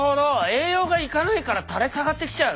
栄養が行かないから垂れ下がってきちゃう。